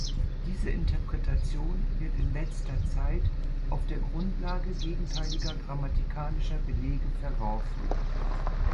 Diese Interpretation wird in letzter Zeit auf der Grundlage gegenteiliger grammatikalischer Belege verworfen.